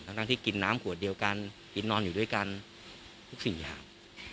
ทั้งที่กินน้ำขวดเดียวกันกินนอนอยู่ด้วยกันทุกสิ่งอย่าง